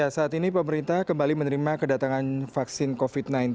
saat ini pemerintah kembali menerima kedatangan vaksin covid sembilan belas